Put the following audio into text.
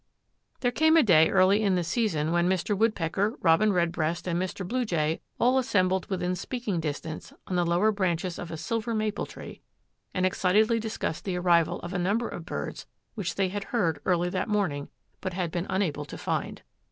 There came a day early in the season when Mr. Woodpecker, Robin Redbreast and Mr. Blue Jay all assembled within speaking distance on the lower branches of a silver maple tree and excitedly discussed the arrival of a number of birds which they had heard early that morning but had been unable to find.